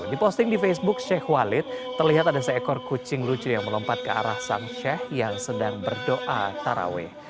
di posting di facebook sheikh walid terlihat ada seekor kucing lucu yang melompat ke arah sang sheikh yang sedang berdoa taraweh